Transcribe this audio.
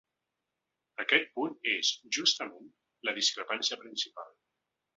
Aquest punt és, justament, la discrepància principal.